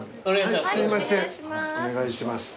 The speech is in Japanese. はいお願いします。